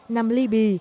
nằm ly bì